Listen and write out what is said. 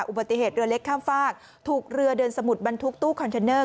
อุบัติเหตุเรือเล็กข้ามฝากถูกเรือเดินสมุดบรรทุกตู้คอนเทนเนอร์